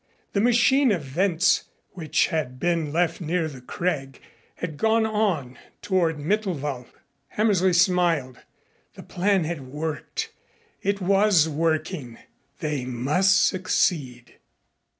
The machine of Wentz, which had been left near the crag, had gone on toward Mittelwald. Hammersley smiled. The plan had worked. It was working. They must succeed.